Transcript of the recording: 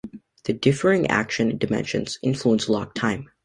The differing action dimensions influence lock time.